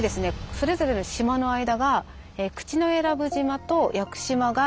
それぞれの島の間が口永良部島と屋久島が１２ｋｍ。